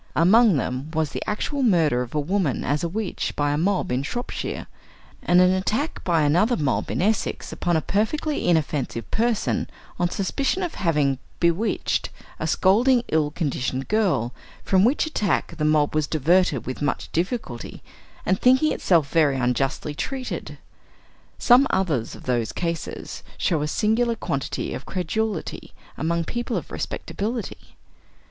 Among them was the actual murder of a woman as a witch by a mob in Shropshire; and an attack by another mob in Essex, upon a perfectly inoffensive person, on suspicion of having "bewitched" a scolding ill conditioned girl, from which attack the mob was diverted with much difficulty, and thinking itself very unjustly treated. Some others of those cases show a singular quantity of credulity among people of respectability.